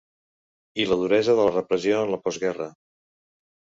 I la duresa de la repressió en la postguerra.